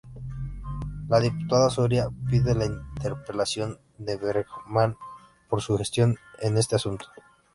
La diputada Soria pide la interpelación de Bergman por su gestión en este asunto.